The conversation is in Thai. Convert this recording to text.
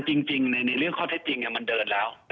จริงในเรื่องข้อเท็จจริงมันเดินแล้ว